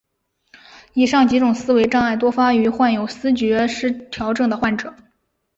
以上几种思维障碍多发于患有思觉失调症的患者。